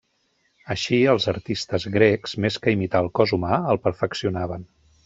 Així, els artistes grecs més que imitar el cos humà el perfeccionaven.